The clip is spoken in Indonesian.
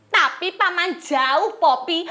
tapi paman jauh popi